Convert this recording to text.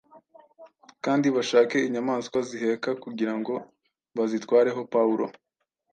Kandi bashake inyamaswa ziheka, kugira ngo bazitwareho Pawulo,